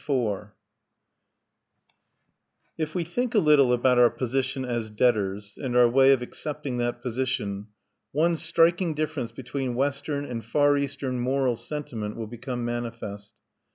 IV If we think a little about our position as debtors, and our way of accepting that position, one striking difference between Western and Far Eastern moral sentiment will become manifest.